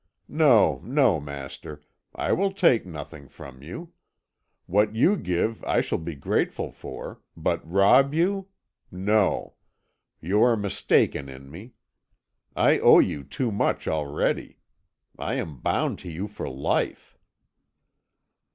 No, no, master, I will take nothing from you. What you give I shall be grateful for; but rob you? No you are mistaken in me. I owe you too much already. I am bound to you for life."